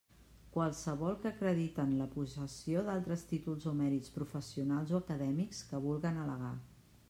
Qualssevol que acrediten la possessió d'altres títols o mèrits professionals o acadèmics que vulguen al·legar.